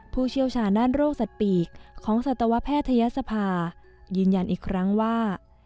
ผู้เชี่ยวชาญด้านโรคสัตว์ปีกของสัตวแพทยศภายืนยันอีกครั้งว่า